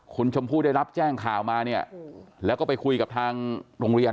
คุณชมพู่ได้รับแจ้งข่าวมาเนี่ยแล้วก็ไปคุยกับทางโรงเรียน